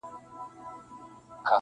خو باور ستا په ورورۍ به څنگه وکړم؛